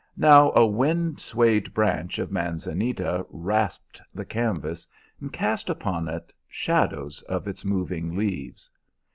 Now a wind swayed branch of manzanita rasped the canvas, and cast upon it shadows of its moving leaves.